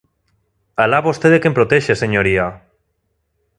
¡Alá vostede a quen protexe, señoría!